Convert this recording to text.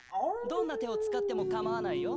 どんな手を使ってもかまわないよ。